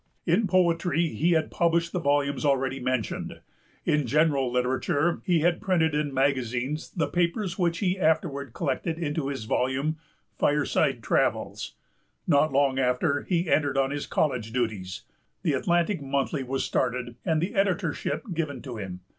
In poetry he had published the volumes already mentioned. In general literature he had printed in magazines the papers which he afterward collected into his volume, Fireside Travels. Not long after he entered on his college duties, The Atlantic Monthly was started, and the editorship given to him.